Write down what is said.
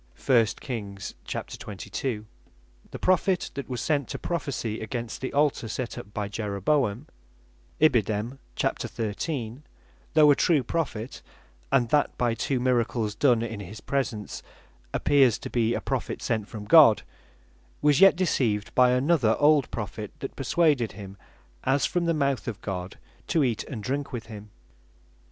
(1 Kings 13) The Prophet that was sent to prophecy against the Altar set up by Jeroboam, though a true Prophet, and that by two miracles done in his presence appears to be a Prophet sent from God, was yet deceived by another old Prophet, that perswaded him as from the mouth of God, to eat and drink with him.